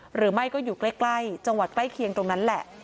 หรือไม่ก็อยู่ใกล้จังหวัดใกล้เคียงตรงนั้นแหละ